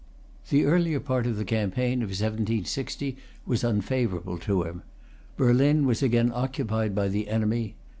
[Pg 325] The earlier part of the campaign of 1760 was unfavorable to him. Berlin was again occupied by the enemy.